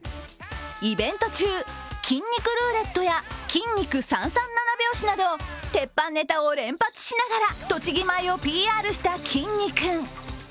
イベント中、筋肉ルーレットや筋肉三三七拍子など、鉄板ネタを連発しながら栃木米をＰＲしたきんに君。